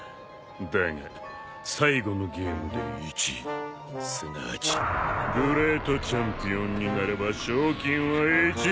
だが最後のゲームで１位すなわちグレートチャンピオンになれば賞金は１億ムーンドル。